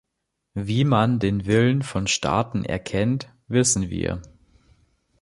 Wie man den Willen von Staaten erkennt, wissen wir.